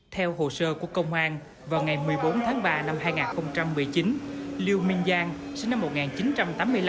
theo hồ sơ của công an vào ngày một mươi bốn tháng ba năm hai nghìn một mươi chín liêu minh giang sinh năm một nghìn chín trăm tám mươi năm